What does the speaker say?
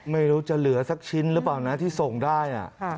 ไม่รู้จะเหลือสักชิ้นหรือเปล่านะที่ส่งได้